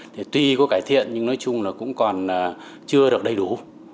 thì tuy có cải thiện nhưng nói chung là cũng còn chưa được đầy đủ